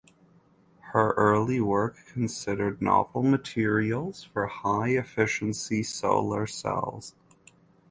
Her early work considered novel materials for high efficiency solar cells.